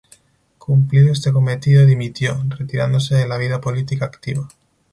Cumplido este cometido dimitió, retirándose de la vida política activa.